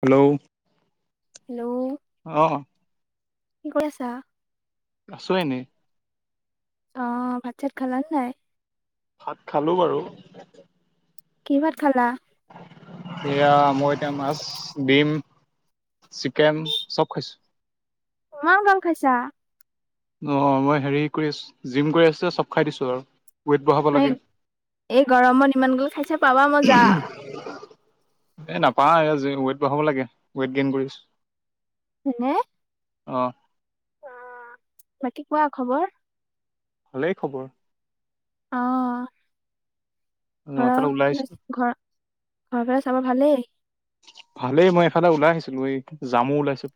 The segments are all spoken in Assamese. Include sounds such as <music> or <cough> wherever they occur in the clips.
হেল্ল' হেল্লও অ কি কৰি আছা আছো এনেই অ ভাত চাত খালানে নাই ভাত খালো বাৰু কি ভাত খালা এয়া মই এতিয়া মাছ দিম চিকেম চব খাইছো ইমান গাল খাইছা অ মই হেৰি কৰি আছো জিম কৰি আছো চব খাই দিছো আৰু ৱেইট বঢ়াব লাগে এই গৰমত ইমান গল খাইছে পাবা মজা এ নাপাও ৱেইট বঢ়াব লাগে ৱেইট গেইন কৰিছো এনে অ বাকী কোৱা খবৰ ভলেই খবৰ অ অ', এফালে ওলাই ঘৰ আহিছিলো ঘৰ ঘৰ চাব ভালেই ভালেই মই এফালে ওলাই আহিছিলো এই জামু ওলাইছে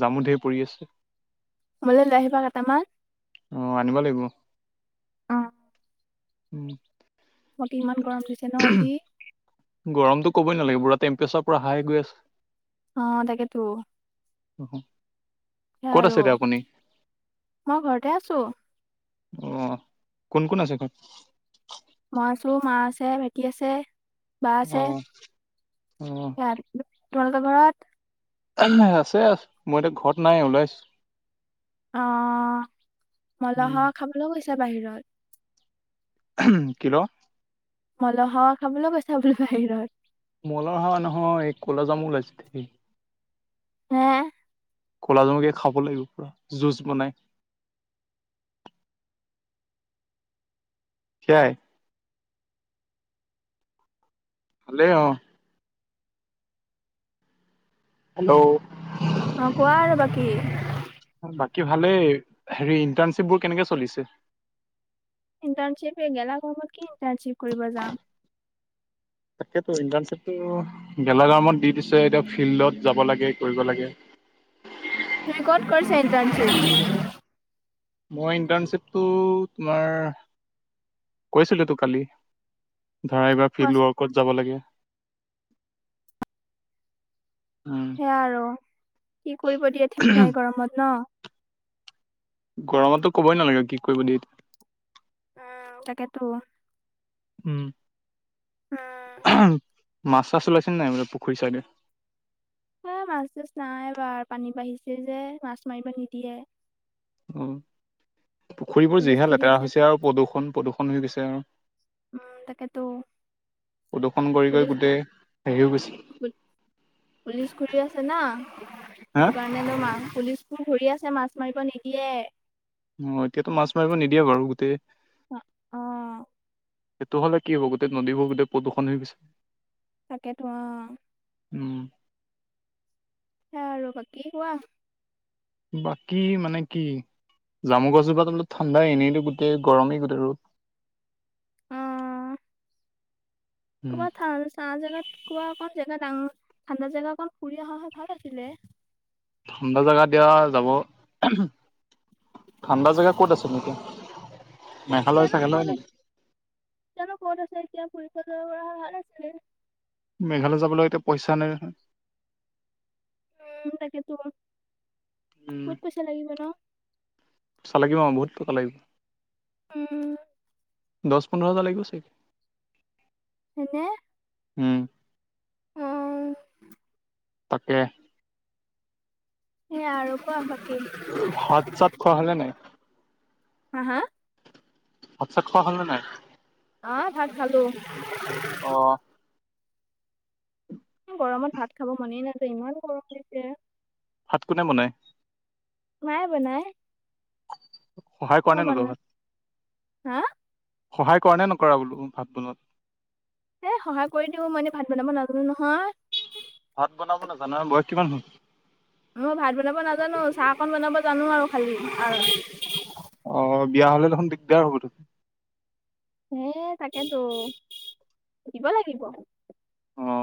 জামু ঢেৰ পৰি আছে মলৈ লৈ আহিবা কেইটামান অ', আনিব লাগিব অ উম মই ইমান গৰম পৰিছে ন আজি গৰমতো ক'বই নালাগে পুৰা টেম্পেৰেচাৰ পূৰা হাই গৈ আছে অ তাকে তো হম সে আৰু মই ঘৰতে আছো অ কোন কোন আছে ঘৰত? মই আছো মা আছে ভাইটি আছে বা আছে অ', অ', ই তোমালোকৰ ঘৰত আছে মই এতিয়া ঘৰত নাই ওলাইছো অ মলহ উম, খাবলৈ গৈছে বাহিৰত উ কিল মলহ খাৱ খাবলৈ গৈছা বোলি ভাবিলোঁ। মলৰ হাৱা নহয় এই কলা জামু ওলাইছে দে। হা কলাজামুকে খাব লাগিব পুৰা জুচ বনাই সেইয়াই হালে অ হেল্ল' অ কোৱা আৰু বাকী কি ভালে হেৰি ইন্টাৰ্ণশ্বিপ বোৰ কেনেকে চলিছে। ইণ্টাৰ্ণশ্বিপে গেলা গৰমত কি ইণ্টাৰ্ণশ্বিপ কৰিব যাম তাকেতো ইণ্টাৰশিপটো গেলা গৰমত দি দিছে এতিয়া ফিল্ডত যাব লাগে কৰিব লাগে উ <unintelligible> ৰেকৰ্ড কৰিছে ইণ্টাৰনচিপ মই ইণ্টাৰ্ণশ্বিপটো তোমাৰ কৈছিল তো কালি ধৰা এইবাৰ ফিল্ড কোৱাচোন ৱৰ্কত যাব লাগে উম সেয়া আৰু কি কৰিব দিয়ে ঠিক নাই গৰমত ন গৰমততো ক'বই নালাগে কি কৰিব দিয়ে। উম তাকেইেতো উম মাছ চাছ ওলাইছে নাই পুখুৰী চাইডে। হ মাছ জোজ নাই বাৰ পানী বাঢ়িছে যে মাছ মাৰিব নিদিয়ে। উ পুখুৰীবোৰ পুলিচ যিহে ঘূৰি লেতেৰা আছে। হৈছে আৰু প্ৰদূষণ প্ৰদূষণ হৈ গৈছে আৰু উম তাকেতো প্ৰদূষন কৰি কৰি পুলিচ গোটেই হেৰি হৈ গৈছে পুলিচ ঘুৰি আছে না হা সেইটো কাৰণে লম আৰু পুলিচ ঘূৰি আছে মাছ মাৰিব নিদিয়ে আহ এতিয়াতো মাছ মাৰিব নিদিয়ে বাৰু গোটেই অ সেইটো হ'লে কি হ'ব গোটেই নদীবোৰ গোটেই প্ৰদূষণ হৈ বিচাৰে। তাকেইতো অ। উম। সেয়া আৰু বাকী কোৱা। বাকী মানে কি। জামু গছজোপাত বলপ ঠাণ্ডাই এনেইতো গোটেই গৰমেই গোটেই ৰ'দ। উম কমাত চাহ জগাত। কা অকন জেগা ডাঙৰ ঠাণ্ডা জেগা অকন ফুৰি অহা হয় ভাল আছিলে। ঠাণ্ডা জাগা দিয়া যাব। ঠাণ্ডা জেগা ক'ত আছে নেকি? মেঘালয় তেওঁনো চেঘালয় কৰ তেওঁনো ক'ৰ আছেতিয়াপুৰি। ম হাল আছিল ন। মেঘালয় যাবলৈে এতিয়া পইচা নাই নহয়। উম তাকেতো উম কত পইচা লাগিব ন। পইচা লাগিব বহুত টকা লাগিব। উম। দহ পোন্ধৰ হাজাৰ লাগিব চাগে। সেইতি হম। তাকে সেয়া আৰু কোৱা হয়। ভাত চাত খোৱা হলে নাই হা হা। ভাতছাত খোৱা হ'ল নে নাই। আহ ভাত খালো। অ। গৰমত ভাত খাব মনেই নাযায় ইমান গৰম দিছে। ভাত কোনে বনায়? মাই বনায়। সহায় কৰা নে নাই তুমি? হা সহায় কৰা নে নকৰা বোলো ভাত বনোৱাত? এ সহায় কৰি দিও মই এনেই ভাত বনাব নাজানো নহয়। ভাত বনাব নাজানো বয়স কিমান হল? মই ভাত বনাব নাজানো চাহ অকণ বনাব জানো আৰু খালি আৰু। অ বিয়া হ'লে দেখোন দিগদাৰ হ'ব তহ। হে তাকেতো দিব লাগিব। অ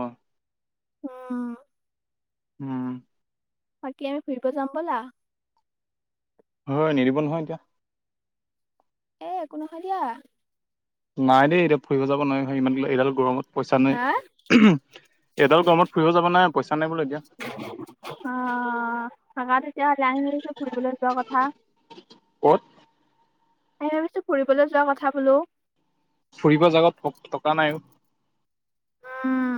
উম। উম। বাকী আৰু আমি ফুৰিব যাম ব'লা। হয় নিদিব নহয় এতিয়া। এ একো নহয় দিয়া। নাই দেই এতিয়া ফুৰিব যাব নোৱাৰি ইমান এইডাল গৰমত পইচা হা? নাই উমহ। এডাল গৰমত ফুৰিব যাব নাই পইচা নাই বোলো এতিয়া। অ থাকক এতিয়া লৰালৰিকৈ ফুৰিবলৈ যোৱা কথা। কত? এই ভাবিছো ফুৰিবলৈ যোৱা কথা বোলো। ফুৰিব যাব টকা নাই অ। উম।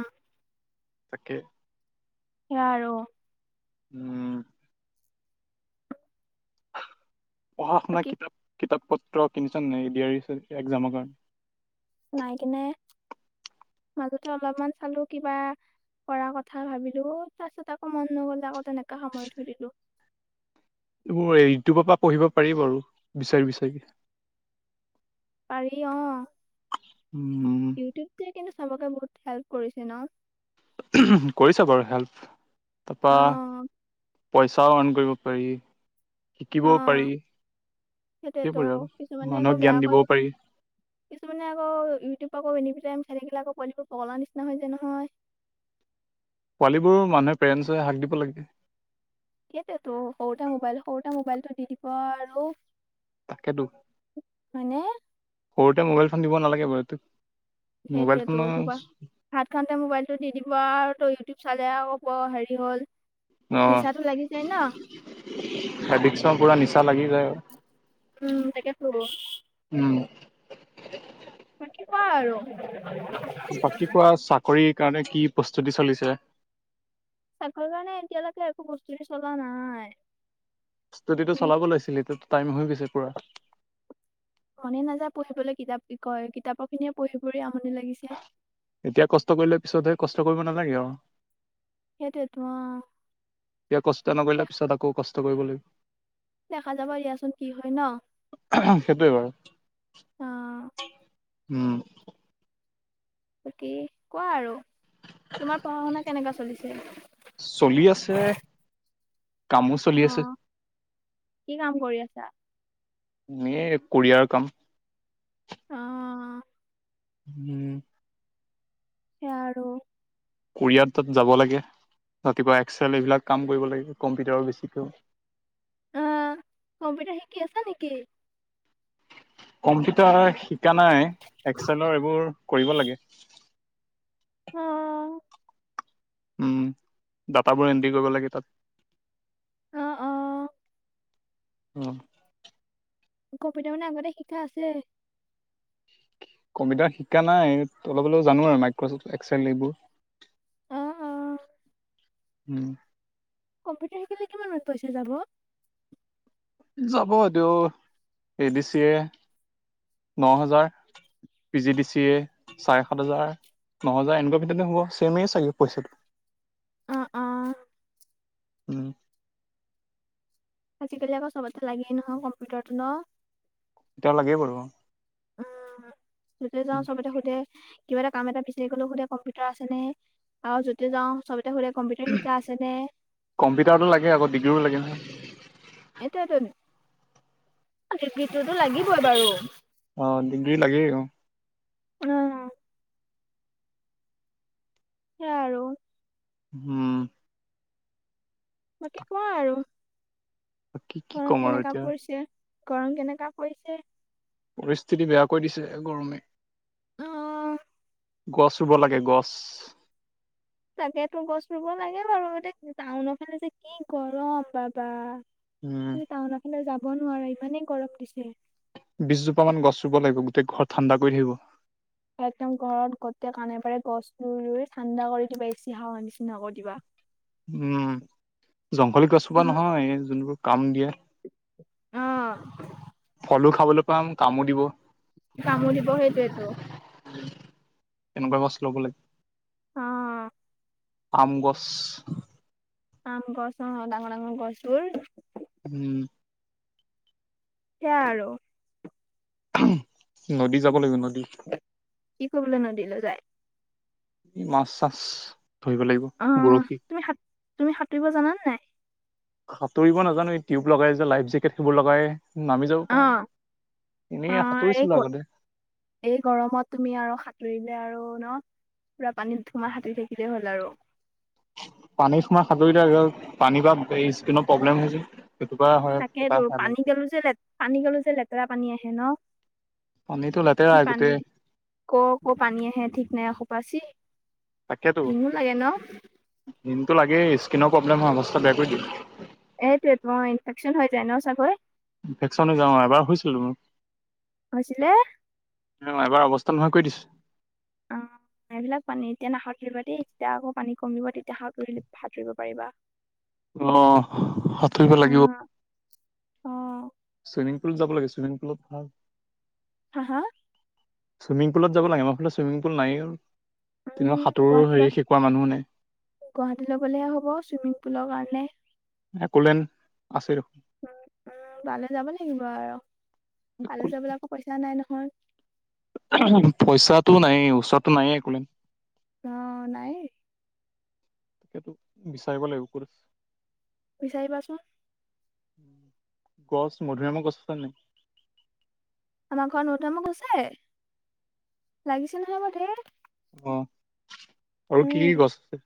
তাকে। এৰা আৰু। উম। পঢ়া শুনা বাকী কিতাপ কিতাপ পত্ৰ কিনিছা নে নাই এডিয়াৰী দিয়া একজামৰ কাৰণে? নাই কিনা মাজতে অলপমান চালো কিবা কৰা কথা ভাবিলো তাৰ পিছত আকৌ মন নগলে আকৌ তেনেকা সময়ত থৈ দিলো। <unintelligible> এইবোৰ ইউটুবৰ পৰা পঢ়িব পাৰি আৰু বিচাৰি বিচাৰি। পাৰি অ। উম। ইউটিউবটোৱে কিন্তু চবকে বহুত হেল্প কৰিছে ন। কৰিছে বাৰু হেল্প তাৰপৰা অ', পইচাও আৰ্ণ কৰিব পাৰি শিকিবও পাৰি সেইটোতো সেইবোৰে আৰু কিছুমানে আকৌ মানুহক জ্ঞান বেয়াকৈ দিবও ইউ পাৰি কিছুমানে আকৌ ইউটিউব আকৌ এনে- গেম খেল বিলাকৰ পোৱালিবোৰ পগলা নিচিনা হয় যাই নহয়। পোৱালীবোৰ মানুহে পেৰেণ্টছৰে হাক দিব লাগে। সেইটোতো সৰুতে মোবাইল সৰুতে মোবাইলটো দি দিব আৰু তাকেতো হয়নে? সৰুতে মোবাইল ফোন দিব নালাগে বাৰু এইটো- সেইটোয়েতো মোবাইল ভাত খাওতে মোবাইলটো দি দিব আও ত ইটিউব চালে আক বৰ হেৰি হ'ল নিচাটো লাগি যায় ন। অহ হেৱিক্স পুৰা নিচা লাগি যায় আও উম তাকেতো। <unintelligible> বাকী কোৱা আৰু। বাকী কোৱা চাকৰিৰ কাৰণে কি প্ৰস্তুতি চলিছে? চাকৰি কাৰণে এতিয়ালৈকে একো প্ৰস্তুতি চলোৱা নাই। ষ্টুডিটো মানে চলাব লাগিছিল এইটোতো টাইম হৈ গৈছে পুৰা। মনে নাযায় পঢ়িবলৈ কিতাপ কি কয় কিতাপৰ খিনিয়ে পঢ়ি পঢ়ি আমনি লাগিছে। এতিয়া কষ্ট কৰিলে পিছতহে কষ্ট কৰিব নালাগে আও সেইটোৱেতো অ এতিয়া কষ্ট নকৰিলে দেখা পিছত আকৌ কষ্ট কৰিব লাগিব। দেখা যাব দিয়াচোন কি হয় ন? সেইটোৱে বাৰু অ উম। বাকী কোৱা আৰু। তোমাৰ পঢ়া-শুনা কেনেকা চলিছে? চলি আছে কামো চলি আছে। আহ কি কাম কৰি আছা? এ কৰিয়াৰ কাম। অ। উম। সেয়া আৰু। কোৰিয়াৰ তাত যাব লাগে। ৰাতিপুৱা এক্সেল এইবিলাক কাম কৰিব লাগে। কম্পিউটাৰো বেছিকৈ অ, কম্পিউটাৰ শিকি আছা নেকি? কম্পিউটাৰ শিকা নাই। এক্সেলৰ এইবোৰ কৰিব লাগে। অ। উম, ডাটাবোৰ এন্ট্ৰি কৰিব লাগে তাত। অ, অ। অ। কম্পিউটাৰ মানে আগতে শিকা আছে? কম্পিউটাৰত শিকা নাই অলপ অলপ জানো আৰু মাইক্ৰচফ্ট এক্সেল এইবোৰ। অ', অ', উম। কম্পিউটাৰ শিকিলে কিমানমান পইচা যাব? যাব যদি এ ডি চিয়ে ন হাজাৰ। P G D C A চাৰে সাত হাজাৰ। ন হাজাৰ এনেকুৱা ভিতৰতে হ'ব ছেমেই চাগে পইচাটো। অ', অ', উম আজিকালি আকৌ চবতে লাগেই নহয় কম্পিউটাৰটো ন? এতিয়া লাগেই বাৰু অহ। উম, যতে যাও চবতে সুধে। কিবা এটা কাম এটা বিচাৰি গলো সুধে কম্পিউটাৰ আছে নে? আৰু য'তে যাওঁ চব হলে কম্পিউটাৰ শিকা আছে নে? কম্পিউটাৰটো লাগে আকৌ ডিগ্ৰীও লাগে নহয় এটোৱেটো <unintelligible> কৰিব লাগিবই বাৰু। অ ডিগ্ৰী লাগেই অ সে আৰু। উম। বাকী কোৱা আৰু। কি কি গৰম ক'ম আৰু কেনেকা এতিয়া পৰিছে, গৰম কেনেকা পৰিছে? পৰিস্থিতি বেয়া কৰি দিছে, গৰমে। অ গছ ৰুব লাগে গছ। তাকে তোৰ গছ ৰুব লাগে বাৰু এতিয়া টাউনৰ ফালে যে কি গৰম বা বা। উম তুমি টাউনা ফালে যাব নোৱাৰা ইমানেই গৰম দিছে। বিশজোপা মান গছ ৰুব লাগিব, গোটেই ঘৰ ঠাণ্ডা কৰি থাকিব। একদম ঘৰত গোটেই কানে পাৰে গছ ৰুই, ৰুই ঠাণ্ডা কৰি দিবা এ চি হাৱ নিচিনা কৰি দিবা। উম, জংঘলী গছোপা নহয়, যোনবোৰ কাম দিয়ে অহ। কলো খাবলৈ পাম কামো দিব। কামুৰিব সেইটোৱেইটো। কেনেকুৱা গছ ল'ব লাগে অ আম গছ আম গছ অ ডাঙৰ ডাঙৰ গছবোৰ। উম সে আৰু। নদী যাব লাগিব নদী। কি কৰিবলৈ নদীলৈ যায় মাছ চাছ ধৰিব লাগিব অ বৰশী। তুমি সাত তুমি সাঁতুৰিব জানানে নাই সাঁতুৰিব নাজানো এই টিউব লগাই যে লাইফ জেকেট সেইবোৰ লগাই নামি যাব অ পাৰোঁ। অ এই এই গৰমত তুমি আৰু সাঁতুৰিলে আৰু পুৰা পানীত সোমাই হাতুৰী থাকিলেই হ'ল আৰু। পানীত সোমাই সাতুৰিলে পানীৰ পা এই স্কিনাৰ প্ৰব্লেম হয় যে। সেইটো পৰা তাকেইতো পানী গালো যে পানী গলো যে লেতেৰা পানী আহে ন। পানীটো লেতেৰা কি পানী গোটেই ক' ক' পানী আহে ঠিক নাইসোপা চি। তাকেতো ঘিনো লাগে ন দিনটো লাগেই স্কিনৰ প্ৰব্লেম হয় অৱস্থা বেয়া কৰি দিয়ে। এটো এ তো ইনফেকশন হৈ যায় ন চাগৈ। ইনফেকশ্যন হৈ যাও এবাৰ হৈছিলটো মোৰ। কৈছিলে নোহয় কৰি দিছ <unintelligible> পানী এতিয়া নাসাঁতুৰিবা দেই যেতিয়া আকৌ পানী কমিব তেতিয়া সাঁতুৰি সাঁতুৰিব পাৰিবা। অহ সাতুৰিব অ লাগিব। অ চুইমিং পুল যাব লাগে চুইমিং পুলত ভাল। হা চুইমিং পুলত যাব লাগে আমাৰ ফালে চুইমিং পুল নাই তেনেকুৱা সাঁতোৰ হেৰি শিকোৱা মানুহো নাই গুৱাহাটী লবলে হ'ব চুইমিং পুলৰ কাৰণে একোলেন আছে উ বালে যাব লাগিব আৰু তালৈ দেখোন, যাবলৈ আকৌ পইচা নাই নহয় পইচাটো নায়েই ওচৰতটো নায়েই এক'লেণ্ড অ নাই তাকেতো বিচাৰিব লাগিব কত আছে বিচাৰিবাচোন গছ মধু আমৰ গছ আছে নাই আমাৰ ঘৰত মধুৰিআম গছ আছে লাগিছে নহয় ধেই অ আৰু কি কি গছ আছে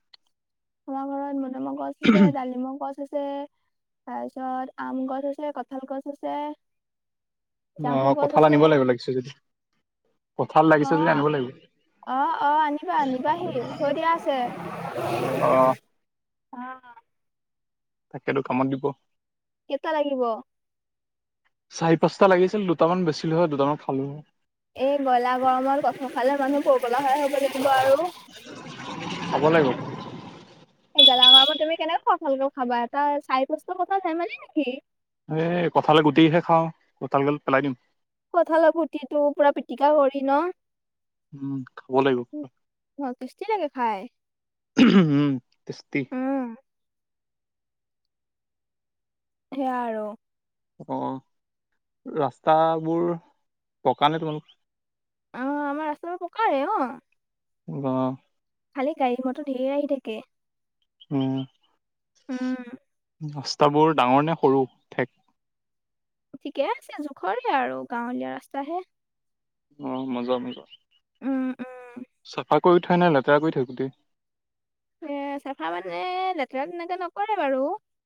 আমাৰ ঘৰত মদুমহ গছ আছে ডালিম গছ আছে আছে তাৰপিছত আম গছ আছে কঁঠাল গছ আছে ন জামু গছ কঁঠাল আছে আনিব লাগিব লাগিছে যদি কঁঠাল অ লাগিছে যদি আনিব লাগিব অ অ আনিবা নিবাহি থৈ দিয়া আছে অ অ তাকেতো কামত দিব কেইটা লাগিব? চাহি পাঁচটা লাগিছিল দুটামান বেছিলো হয় দুটামান খালো হয় এই গলা গৰমত কঁঠাল খালে মানুহ পগলা হব লাগিব আৰু খাব লাগিব এই গেলা গৰমত তুমি কেনেকৈ কঠালতো খাবা তাৰ চাৰি পাঁচটা কঠাল ধেমালি নেকি এ কঁঠালৰ গোটিহে খাওঁ কঁঠাল গাল পেলাই দিম। কঁঠালৰ গুটিটো পুৰা পিটিকা কৰি ন। উম খাব লাগিব। কেনেকে খায়? উম তেছটি <inaudible> সেয়া আৰু অ ৰাস্তাবোৰ পকা নে তোমালোকৰ? অ আমাৰ ৰাস্তাবোৰ পকায়ে অ বা খালি গাড়ী মটৰ ধেৰ আহি থাকে। উম উম ৰাস্তাবোৰ ডাঙৰ নে সৰু ঠেক? ঠিকে আছে জোখৰে আৰু গাঁৱলীয়া ৰাস্তাহে। অ মজা মজা উম উম চফা। কৈ উঠাই নে লেতেৰা কৰি থাকৈ গোটেই। এ চাফা মানে লেতেৰাত এনেকে নকৰে বাৰু।